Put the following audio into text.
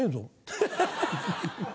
ハハハ！